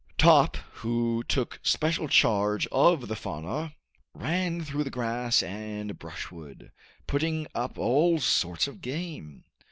Top, who took special charge of the fauna, ran through the grass and brushwood, putting up all sorts of game.